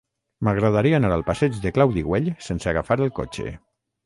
M'agradaria anar al passeig de Claudi Güell sense agafar el cotxe.